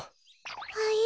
はい？